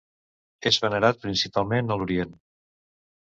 És venerat principalment a l'Orient.